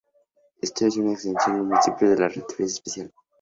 Esto es una extensión del principio de relatividad especial.